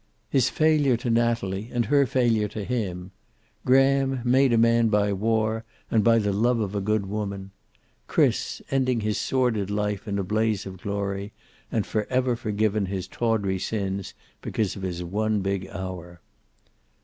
His failure to Natalie and her failure to him. Graham, made a man by war and by the love of a good woman. Chris, ending his sordid life in a blaze of glory, and forever forgiven his tawdry sins because of his one big hour.